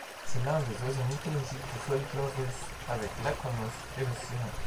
C'est l'un des oiseaux mythologiques du folklore russe, avec l'Alkonost et le Sirin.